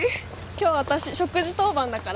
今日私食事当番だから。